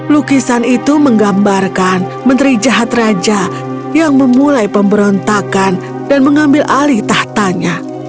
lukisan itu menggambarkan menteri jahat raja yang memulai pemberontakan dan mengambil alih tahtanya